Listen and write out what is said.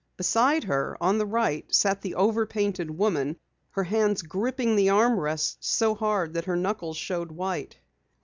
Beside her, on the right, sat the over painted woman, her hands gripping the arm rests so hard that her knuckles showed white.